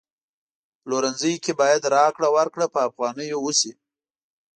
پلورنځي کی باید راکړه ورکړه په افغانیو وشي